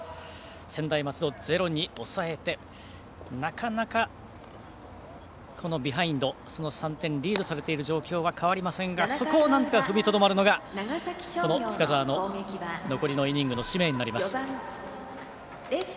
専大松戸、ゼロに抑えてなかなか、このビハインド３点リードされている状況は変わりませんがそこをなんとか踏みとどまるのが深沢の残りのイニングの使命になります。